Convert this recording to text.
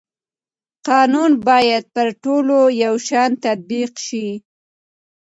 قانون باید پر ټولو یو شان تطبیق شي